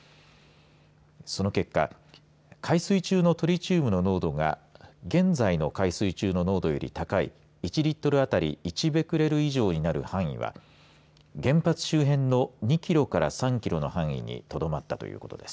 その結果海水中のトリチウムの濃度が現在の海水中の濃度より高い１リットル当たり１ベクレル以上になる範囲は原発周辺の２キロから３キロの範囲にとどまったということです。